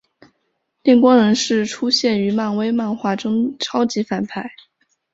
电光人是出现于漫威漫画中超级反派。